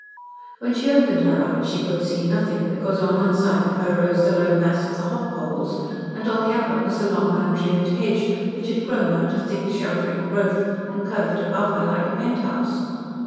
When she opened her eyes she could see nothing, because on one side of her rose the low mass of the hop poles, and on the other was the long untrimmed hedge, which had thrown out a thick, sheltering growth and curved above her like a penthouse.